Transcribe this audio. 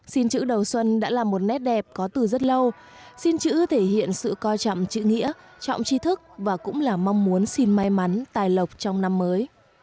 xin chữ đầu xuân đã là một nét đẹp có từ rất lâu xin chữ thể hiện sự coi trọng chữ nghĩa trọng trí thức và cũng là mong muốn xin may mắn tài lộc trong năm mới